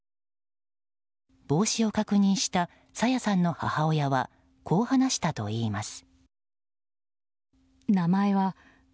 帽子を確認した朝芽さんの母親はこう話したといいます。